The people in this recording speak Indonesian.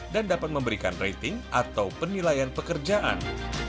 dan dapat memberikan rating atau penilaian pekerjaan